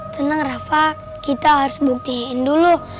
tenang rafa kita harus buktiin dulu